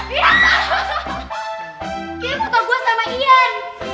kayaknya foto gue sama ian